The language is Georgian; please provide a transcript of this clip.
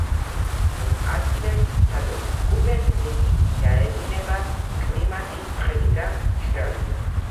იმ ადგილებს, სადაც კუპერ-კრიკი გაედინება კლიმატი ცხელი და მშრალია.